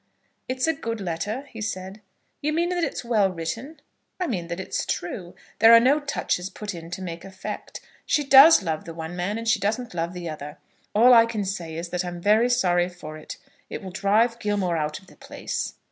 "It's a good letter," he said. "You mean that it's well written?" "I mean that it's true. There are no touches put in to make effect. She does love the one man, and she doesn't love the other. All I can say is, that I'm very sorry for it. It will drive Gilmore out of the place."